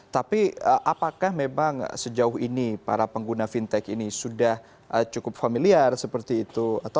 tapi apakah memang sejauh ini para pengguna fintech ini sudah cukup familiar seperti itu